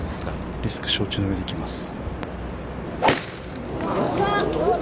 リスク承知の上で行きます。